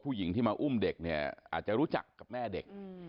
ผู้หญิงที่มาอุ้มเด็กเนี่ยอาจจะรู้จักกับแม่เด็ก